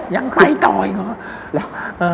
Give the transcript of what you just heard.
ยังไฟปอยเหรอ